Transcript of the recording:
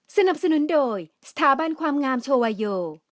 สนับสนุนโดยสถาบันความงามโชวาโย